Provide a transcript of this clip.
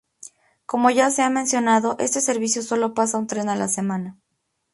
Como ya se ha mencionado, este servicio solo pasa un tren a la semana.